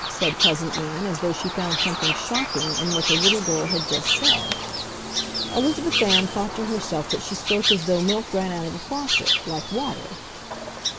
said Cousin Ann, as though she found something shocking in what the little girl had just said. Elizabeth Ann thought to herself that she spoke as though milk ran out of a faucet, like water.